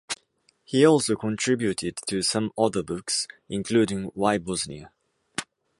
He also contributed to some other books, including Why Bosnia?